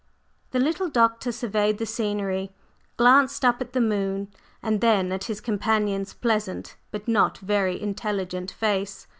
The little Doctor surveyed the scenery, glanced up at the moon, and then at his companion's pleasant but not very intelligent face.